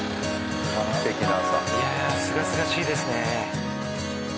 いやあすがすがしいですね。